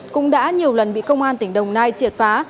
cũng đã nhiều lần bị công an tỉnh đồng nai triệt phá